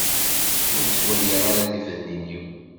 Ur ttwalliɣ ara tifednin-iw.